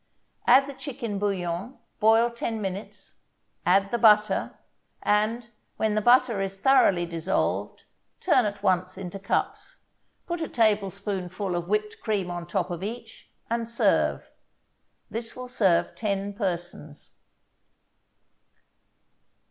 Add the chicken bouillon, boil ten minutes, add the butter, and, when the butter is thoroughly dissolved, turn at once into cups. Put a tablespoonful of whipped cream on top of each, and serve. This will serve ten persons.